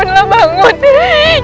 jangan tinggalkan ibu undang